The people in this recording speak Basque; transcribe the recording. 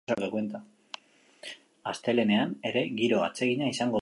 Astelehenean ere giro atsegina izango dugu.